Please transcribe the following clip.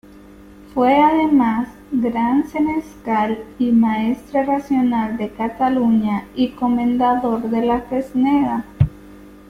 Fue, además, gran senescal y maestre racional de Cataluña y comendador de la Fresneda.